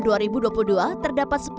terdapat sepuluh tanggul untuk menangani banjir